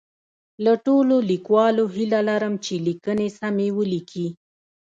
له ټولو لیکوالو هیله لرم چي لیکنې سمی ولیکي